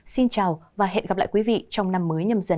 xin chào và hẹn gặp lại quý vị trong năm mới nhầm dần hai nghìn hai mươi hai